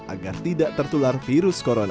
agar tidak tertular virus corona